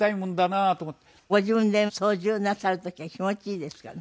ご自分で操縦なさる時は気持ちいいですかね？